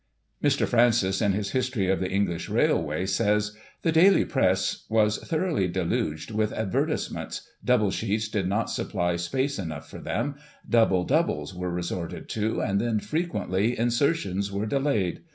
Mr. Francis, in his History of the 'English Railway, says :" The daily press was thoroughly deluged with advertise ments ; double sheets did not supply space enough for them ; double doubles were resorted to, and, then, frequently, in sertions were delayed.